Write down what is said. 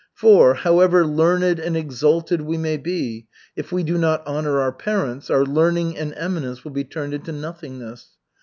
For, however learned and exalted we may be, if we do not honor our parents, our learning and eminence will be turned into nothingness.